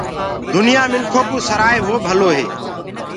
دنيآ منکُ ڪوُ سرآئي وو ڀلو هي۔